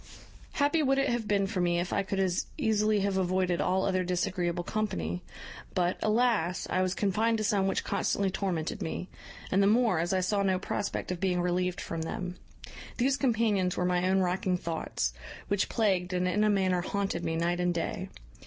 "Happy would it have been for me if I could as easily have avoided all other disagreeable company; but, alas! I was confined to some which constantly tormented me; and the more, as I saw no prospect of being relieved from them. These companions were my own racking thoughts, which plagued and in a manner haunted me night and day.